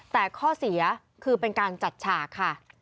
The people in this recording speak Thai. แต่ข้อเสียคือเป็นการจัดฉากค่ะ